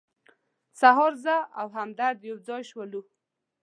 سهار زه او همدرد یو ځای شولو.